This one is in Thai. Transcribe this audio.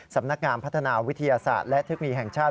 สำนักงานพัฒนาวิทยาศาสตร์และเทคโนโลยีแห่งชาติ